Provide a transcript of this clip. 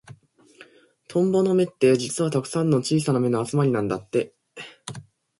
トンボの目って、実はたくさんの小さな目の集まりなんだって。